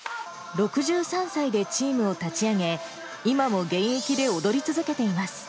６３歳でチームを立ち上げ、今も現役で踊り続けています。